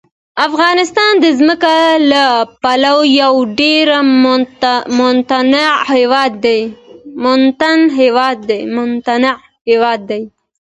افغانستان د ځمکه له پلوه یو ډېر متنوع هېواد دی.